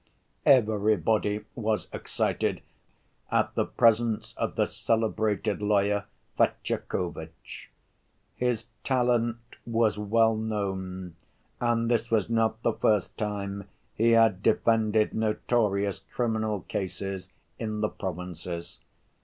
Everybody was excited at the presence of the celebrated lawyer, Fetyukovitch. His talent was well known, and this was not the first time he had defended notorious criminal cases in the provinces.